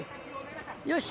よし！